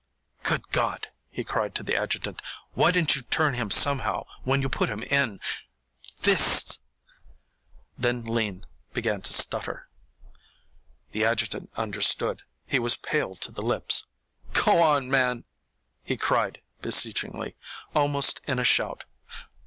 "Good God," he cried to the adjutant. "Why didn't you turn him somehow when you put him in? This " Then Lean began to stutter. The adjutant understood. He was pale to the lips. "Go on, man," he cried, beseechingly, almost in a shout.